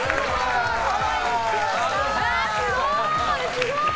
すごい！